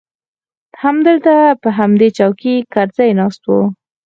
همدلته پر همدې چوکۍ کرزى ناست و.